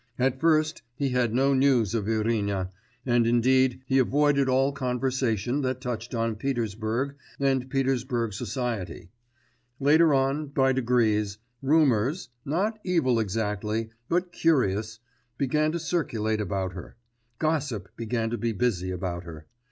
At first he had no news of Irina, and indeed he avoided all conversation that touched on Petersburg and Petersburg society. Later on, by degrees, rumours not evil exactly, but curious began to circulate about her; gossip began to be busy about her.